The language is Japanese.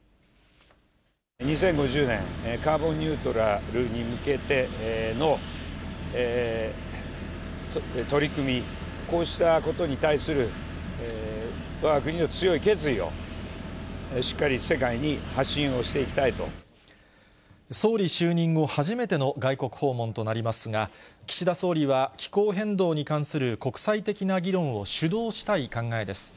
２０５０年カーボンニュートラルに向けての取り組み、こうしたことに対するわが国の強い決意を、しっかり世界に発信を総理就任後初めての外国訪問となりますが、岸田総理は気候変動に関する国際的な議論を主導したい考えです。